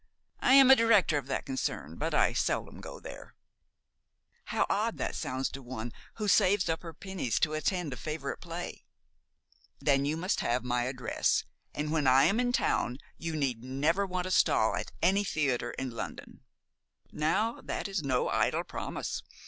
I am a director of that concern; but I seldom go there." "How odd that sounds to one who saves up her pennies to attend a favorite play!" "Then you must have my address, and when I am in town you need never want a stall at any theater in London. Now, that is no idle promise.